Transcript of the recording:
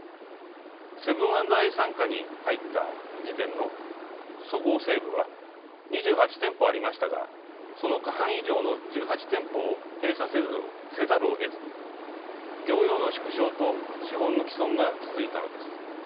セブン＆アイ傘下に入った時点のそごう・西武は２８店舗ありましたがその過半以上の１８店舗を閉鎖せざるをえず業容の縮小と資本の毀損が続いたのです。